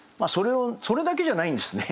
それだけじゃないんですね。